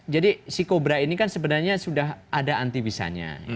jadi si kobra ini kan sebenarnya sudah ada anti bisanya